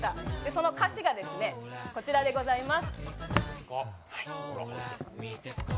その歌詞がこちらでございます。